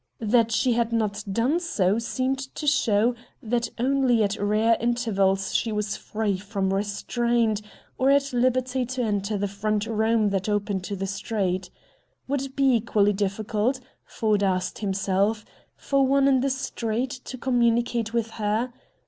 That she had not done so seemed to show that only at rare intervals was she free from restraint, or at liberty to enter the front room that opened on the street. Would it be equally difficult, Ford asked himself, for one in the street to communicate with her?